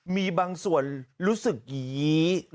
มีบางส่วนรู้สึกยี